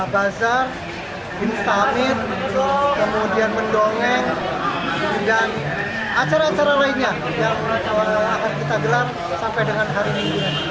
bazar instamin kemudian mendongeng dengan acara acara lainnya yang akan kita gelar sampai dengan hari ini